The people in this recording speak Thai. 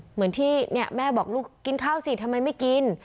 เหมือนที่เนี่ยแม่บอกลูกกินข้าวสิทำไมไม่กิน